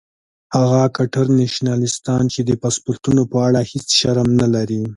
هغه کټر نیشنلستان چې د پاسپورټونو په اړه هیڅ شرم نه لري.